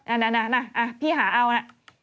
อ่าน๊ะพี่หาเอานะ